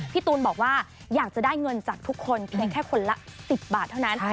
ตูนบอกว่าอยากจะได้เงินจากทุกคนเพียงแค่คนละ๑๐บาทเท่านั้น